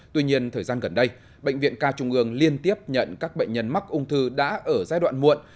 tuy nhiên thời gian gần đây bệnh viện ca trung ương liên tiếp nhận các bệnh nhân mắc ung thư đã ở giai đoạn muộn